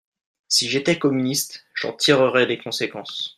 Si j’étais communiste, j’en tirerais des conséquences.